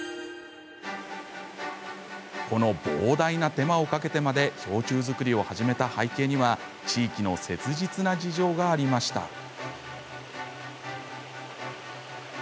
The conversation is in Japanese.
この膨大な手間をかけてまで氷柱作りを始めた背景には地域の切実な事情がありました。